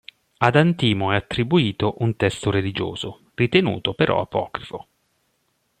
Ad Antimo è attribuito un testo religioso, ritenuto però apocrifo.